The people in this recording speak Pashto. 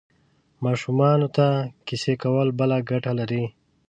ماشومانو ته کیسې کول بله ګټه لري.